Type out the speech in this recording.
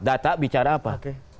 data bicara apa